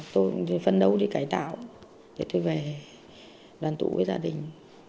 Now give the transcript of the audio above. tôi phấn đấu đi cải tạo để tôi về đoàn tụ với gia đình